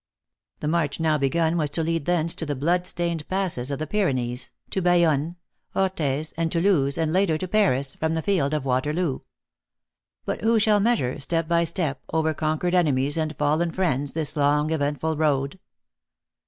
The march now begun was to lead thence to the blood s f ained passes of the Pyrennees, to Bayonne, Orthes, r.nd Toulouse, and later, to Paris, from the h eld of Waterloo. But who shall measure, step by step, over conquered enemies and fallen friends, this long eventful road?